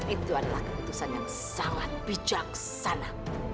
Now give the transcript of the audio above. itu adalah keputusan yang sangat bijaksana